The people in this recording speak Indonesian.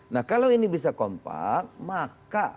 nah kalau ini bisa kompak maka